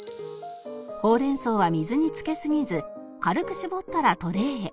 ほうれん草は水につけすぎず軽く絞ったらトレーへ